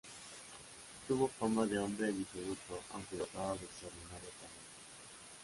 Tuvo fama de hombre disoluto, aunque dotado de extraordinario talento.